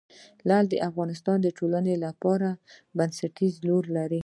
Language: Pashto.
لعل د افغانستان د ټولنې لپاره بنسټيز رول لري.